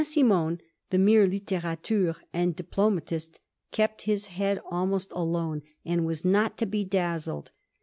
Simon, the mere litterateur and diploma tist, kept his head almost alone, and was not to be dazzled.